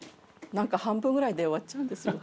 何か半分ぐらいで終わっちゃうんですよ。